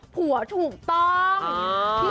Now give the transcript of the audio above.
ผัวถูกต้อง